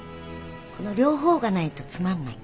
この両方がないとつまんない。